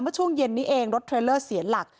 เมื่อช่วงเย็นนี้เองรถเทรลเลอร์เสียหลัก